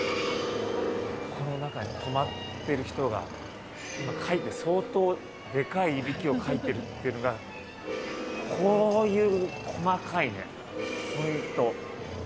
この中に泊まってる人が今、相当でかいいびきをかいてるっていうのが、こういう細かいポイント。